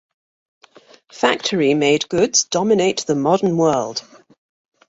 Factory-made goods dominate the modern world.